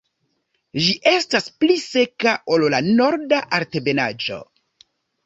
Ĝi estas pli seka ol la Norda Altebenaĵo.